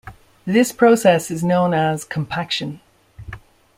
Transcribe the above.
This process is known as compaction.